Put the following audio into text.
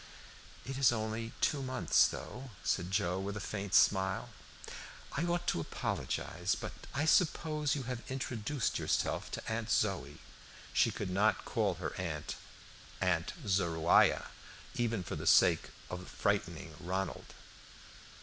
"It is only two months, though," said Joe, with a faint smile. "I ought to apologize, but I suppose you have introduced yourself to Aunt Zoë." She could not call her Aunt Zoruiah, even for the sake of frightening Ronald.